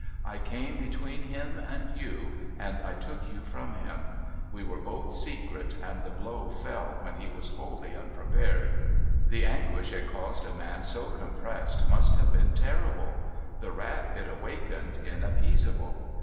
I came between him and you, and I took you from him. ^Ve were both secret, and the blow fell when he was wholly un{)repared. The anguish it caused a man so compressed must have been terrible ; the wrath it awakened inap peasable.